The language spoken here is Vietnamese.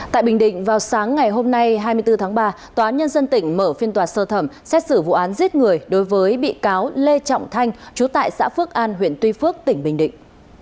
tại bình định vào sáng ngày hôm nay hai mươi bốn tháng ba tòa án nhân dân tỉnh mở phiên tòa sơ thẩm xét xử vụ án giết người đối với bị cáo lê trọng thanh chú tại xã phước an huyện tuy phước tỉnh bình định